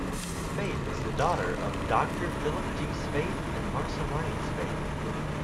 Spaeth is the daughter of Doctor Philip G. Spaeth and Marcia Ryan Spaeth.